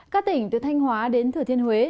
các tỉnh từ thanh hóa đến thừa thiên huế